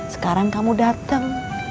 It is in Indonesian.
sekarang kamu datang